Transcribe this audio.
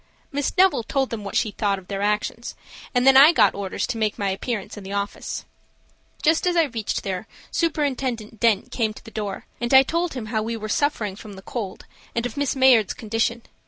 Miss Neville told them what she thought of their actions, and then I got orders to make my appearance in the office. Just as I reached there Superintendent Dent came to the door and I told him how we were suffering from the cold, and of Miss Mayard's condition.